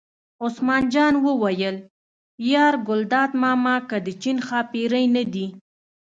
عثمان جان وویل: یار ګلداد ماما که د چین ښاپېرۍ نه دي.